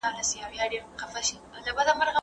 د هرات په صنعت کي د کار چاپیریال څنګه دی؟